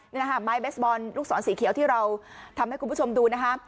นี่นะคะไม้เบสบอลลูกศรสีเขียวที่เราทำให้คุณผู้ชมดูนะคะ